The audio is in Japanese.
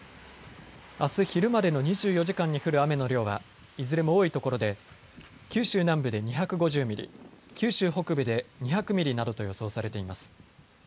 あす昼までの２４時間に降る雨の量はいずれも多い所で九州南部で２５０ミリ、九州北部で２００ミリなどと予想されています。